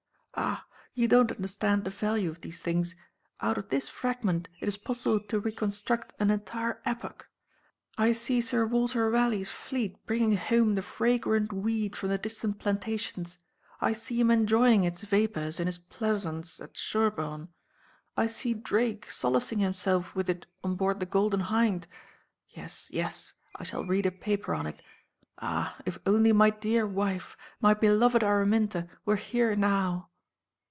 "Ah, you don't understand the value of these things. Out of this fragment it is possible to reconstruct an entire epoch. I see Sir Walter Raleigh's fleet bringing home the fragrant weed from the distant plantations; I see him enjoying its vapours in his pleasaunce at Sherborne; I see Drake solacing himself with it on board the Golden Hind. Yes, yes, I shall read a paper on it.—Ah! if only my dear wife, my beloved Araminta, were here now!"